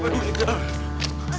teryang tuh ia agak mau